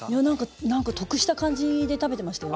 何か得した感じで食べてましたよ